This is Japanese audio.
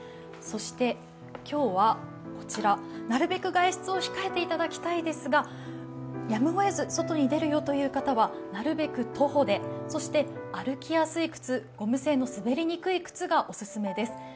そして今日はこちら、なるべく外出を控えていただきたいですが、やむをえず外に出るぞという方はなるべく徒歩でそして歩きやすい靴、ゴム製の滑りにくい靴がおすすめめです。